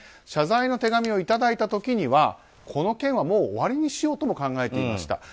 謝罪の手紙をいただいた時にはこの件はもう終わりにしようとも考えていました。